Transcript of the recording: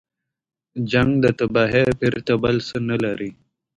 جنګ د تباهۍ پرته بل څه نه لري.